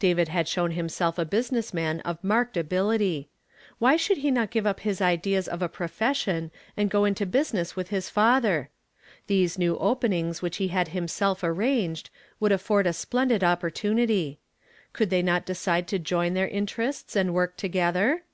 David had shown himself a business man of marked ability. Why should he not give up his ideas of a profession and go into business with liis father? These new openings which he had himself arranged would afford a splendid opportunity. Could they not decide to join their interests and work together?